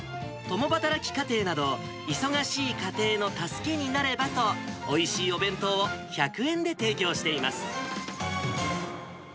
共働き家庭など、忙しい家庭の助けになればと、おいしいお弁当を１００円で提供しています。